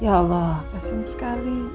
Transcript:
ya allah pasang sekali